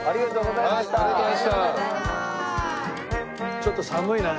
ちょっと寒いね。